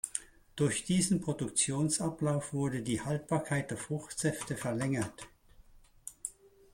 Durch diesen Produktionsablauf wurde die Haltbarkeit der Fruchtsäfte verlängert.